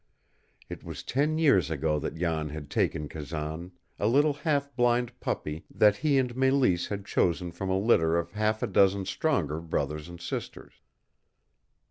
It was ten years ago that Jan had taken Kazan, a little half blind puppy that he and Mélisse had chosen from a litter of half a dozen stronger brothers and sisters.